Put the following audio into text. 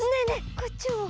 こっちも！